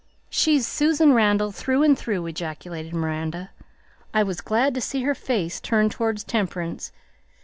"She's Susan Randall through and through!" ejaculated Miranda. "I was glad to see her face turned towards Temperance.